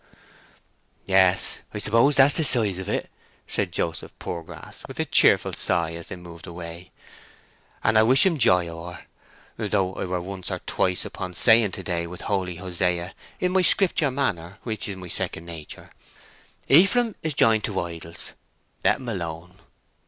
"Yes; I suppose that's the size o't," said Joseph Poorgrass with a cheerful sigh as they moved away; "and I wish him joy o' her; though I were once or twice upon saying to day with holy Hosea, in my scripture manner, which is my second nature, 'Ephraim is joined to idols: let him alone.